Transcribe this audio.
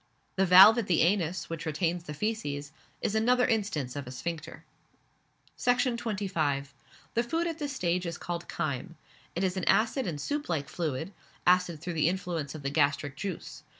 The valve at the anus, which retains the faeces, is another instance of a sphincter. Section 25. The food at this stage is called chyme; it is an acid and soup like fluid acid through the influence of the gastric juice.